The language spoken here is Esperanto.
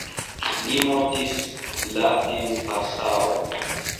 Li mortis la en Passau.